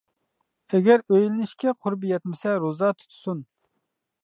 ئەگەر ئۆيلىنىشكە قۇربى يەتمىسە روزا تۇتسۇن.